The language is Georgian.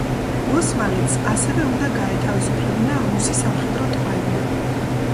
ოსმალეთს ასევე უნდა გაეთავისუფლებინა რუსი სამხედრო ტყვეები.